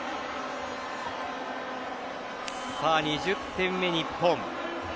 さあ２０点目、日本。